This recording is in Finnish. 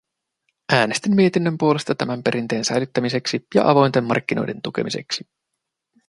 Äänestin mietinnön puolesta tämän perinteen säilyttämiseksi ja avointen markkinoiden tukemiseksi.